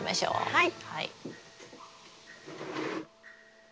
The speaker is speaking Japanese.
はい。